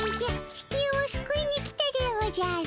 地球をすくいに来たでおじゃる。